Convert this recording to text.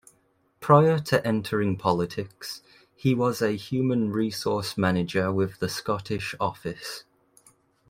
Prior to entering politics, he was a human resource manager with the Scottish Office.